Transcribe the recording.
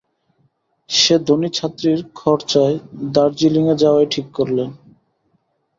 সে ধনী ছাত্রীর খরচায় দার্জিলিঙে যাওয়াই ঠিক করলে।